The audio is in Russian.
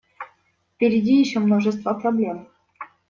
Впереди еще множество проблем.